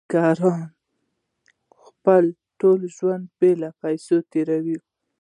بزګرانو خپل ټول ژوند بې پیسو تیروه.